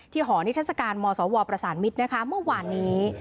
หอนิทัศกาลมสวประสานมิตรนะคะเมื่อวานนี้